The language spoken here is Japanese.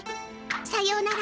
さようなら。